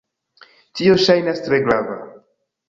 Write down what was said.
Tio ŝajnas tre grava